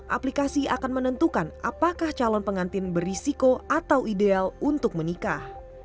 aplikasi akan menentukan apakah calon pengantin berisiko atau ideal untuk menikah